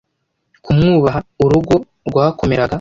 kumwubaha urugo rwakomeraga.